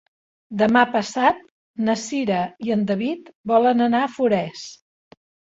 Demà passat na Cira i en David volen anar a Forès.